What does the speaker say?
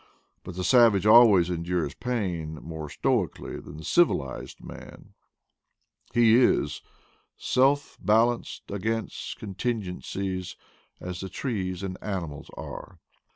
But the savage always endures pain more stoically than the civilized man. He is THE PLAINS OF PATAGONIA 227 Self balanced against contingencies, As the trees and animals are.